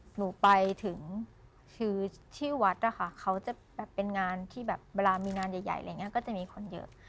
หนูไปถึงคือที่วัดนะคะเขาจะแบบเป็นงานที่แบบเวลามีงานใหญ่อะไรอย่างนี้ก็จะมีคนเยอะ